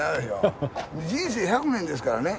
人生１００年ですからね。